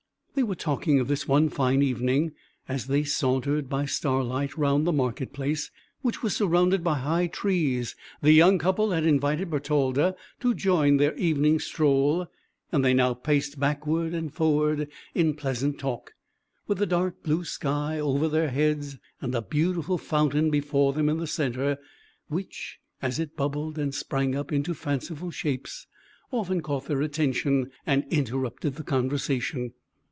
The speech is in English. They were talking of this one fine evening, as they sauntered by starlight round the market place, which was surrounded by high trees; the young couple had invited Bertalda to join their evening stroll, and they now paced backward and forward in pleasant talk, with the dark blue sky over their heads, and a beautiful fountain before them in the centre, which, as it bubbled and sprang up into fanciful shapes, often caught their attention, and interrupted the conversation.